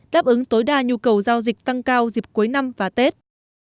đáp ứng tối đa nhu cầu giao dịch tăng cao dịp cuối năm và tết